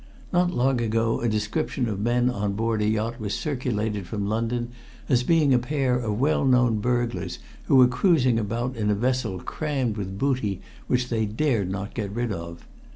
Not long ago a description of men on board a yacht was circulated from London as being a pair of well known burglars who were cruising about in a vessel crammed with booty which they dared not get rid of.